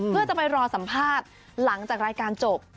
เพื่อจะไปรอสัมภาษณ์หลังจากรายการจบ